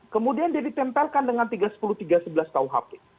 kemudian dia ditempelkan dengan tiga ratus sepuluh tiga ratus sebelas tau hape